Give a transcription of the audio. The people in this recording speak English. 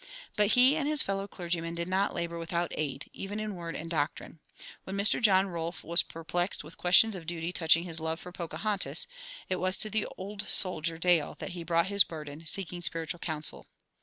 But he and his fellow clergymen did not labor without aid, even in word and doctrine. When Mr. John Rolfe was perplexed with questions of duty touching his love for Pocahontas, it was to the old soldier, Dale, that he brought his burden, seeking spiritual counsel.